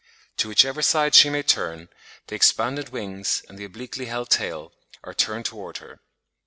To whichever side she may turn, the expanded wings and the obliquely held tail are turned towards her.